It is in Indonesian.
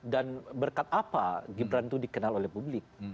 dan berkat apa gibran tuh dikenal oleh publik